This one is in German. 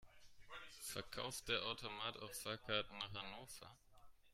Verkauft der Automat auch Fahrkarten nach Hannover?